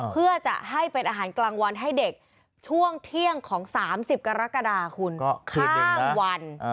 เพื่อจะให้เป็นอาหารกลางวันให้เด็กช่วงเที่ยงของ๓๐กรกฎาคุณข้ามวัน